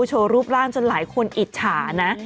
โชว์รูปร่างจนหลายคนอิจฉานะ